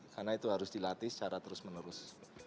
karena itu harus dilatih secara terus menerus